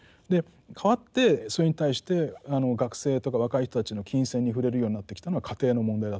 代わってそれに対して学生とか若い人たちの琴線に触れるようになってきたのは家庭の問題だと思うんですね。